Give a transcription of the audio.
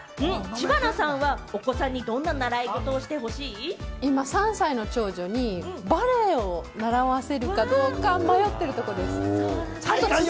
知花さんはお子さんにどんな習い今、３歳の長女にバレエを習わせるかどうか迷っているところです。